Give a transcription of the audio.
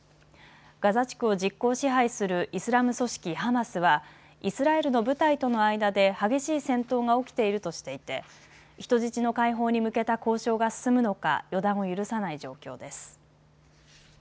ガザ地区を実効支配するイスラム組織ハマスはイスラエルの部隊との間で激しい戦闘が起きているとしていて人質の解放に向けた交渉が進むのか予断を許さない状況です。